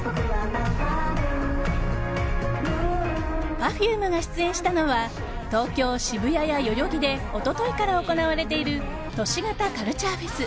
Ｐｅｒｆｕｍｅが出演したのは東京・渋谷や代々木で一昨日から行われている都市型カルチャーフェス